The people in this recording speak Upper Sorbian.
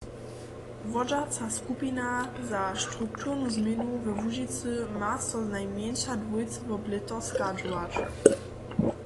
Wodźaca skupina za strukturnu změnu we Łužicy ma so znajmjeńša dwójce wob lěto schadźować.